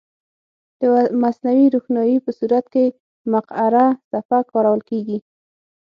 د مصنوعي روښنایي په صورت کې مقعره صفحه کارول کیږي.